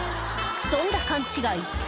とんだ勘違い